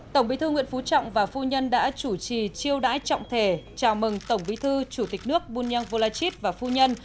tổng bí thư nguyễn phú trọng và phu nhân đã chủ trì chiêu đãi trọng thể chào mừng tổng bí thư chủ tịch nước bunyang volachit và phu nhân